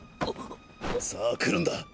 さあ来るんだ！！